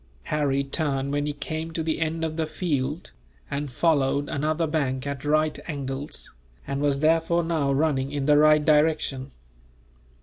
Harry turned when he came to the end of the field, and followed another bank at right angles, and was therefore now running in the right direction.